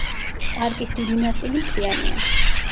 პარკის დიდი ნაწილი მთიანია.